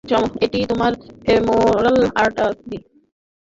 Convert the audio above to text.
এটি তোমার femoral artery.